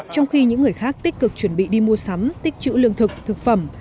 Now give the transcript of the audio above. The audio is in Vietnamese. trong khi những người khác tích cực chuẩn bị đi mua sắm tích chữ lương thực thực phẩm